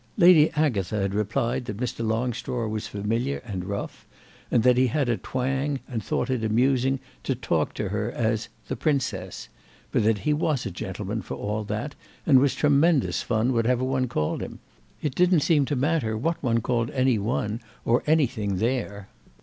Lady Agatha had replied that Mr. Longstraw was familiar and rough and that he had a twang and thought it amusing to talk to her as "the Princess"; but that he was a gentleman for all that and was tremendous fun whatever one called him—it didn't seem to matter what one called any one or anything there.